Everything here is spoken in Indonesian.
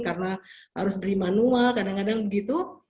karena harus beli manual kadang kadang begitu